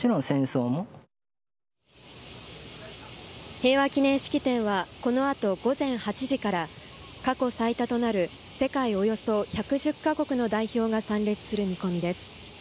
平和記念式典はこのあと午前８時から過去最多となる世界およそ１１０カ国の代表が参列する見込みです。